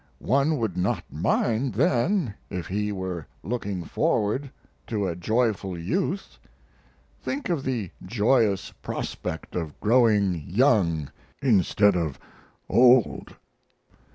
One would not mind then if he were looking forward to a joyful youth. Think of the joyous prospect of growing young instead of old!